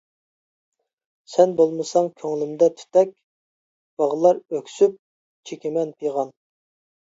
سەن بولمىساڭ كۆڭلۈمدە تۈتەك، باغلار ئۆكسۈپ، چېكىمەن پىغان.